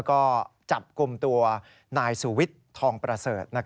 ก็จับกลุ่มตัวนายสุวิทย์ทองประเสริฐ